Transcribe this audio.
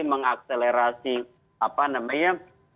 mengakselerasi apa namanya